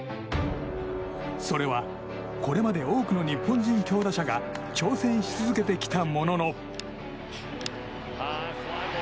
それは、これまで多くの日本人強打者が挑戦し続けてきたものの。